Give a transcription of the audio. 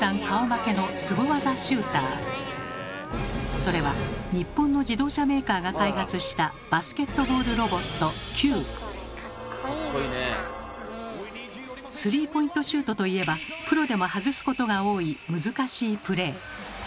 それは日本の自動車メーカーが開発したスリーポイントシュートといえばプロでも外すことが多い難しいプレー。